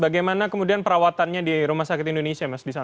bagaimana kemudian perawatannya di rumah sakit indonesia mas di sana